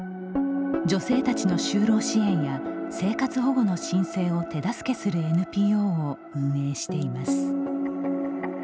女性たちの就労支援や生活保護の申請を手助けするＮＰＯを運営しています。